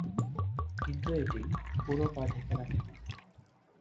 কিন্তু এটি পুরো পা ঢেকে রাখে না।